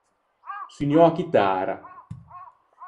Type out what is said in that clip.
Sunniò a chitara.